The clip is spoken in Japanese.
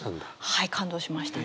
はい感動しましたね。